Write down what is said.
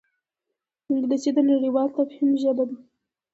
انګلیسي د نړیوال تفهیم ژبه ده